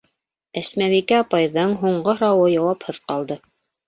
Әсмәбикә апайҙың һуңғы һорауы яуапһыҙ ҡалды.